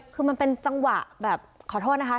คือมันเป็นจังหวะแบบขอโทษนะคะ